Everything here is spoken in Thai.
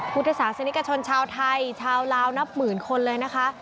พุทธศาสนิกชนชาวไทยชาวลาวนับหมื่นคนเลยนะคะ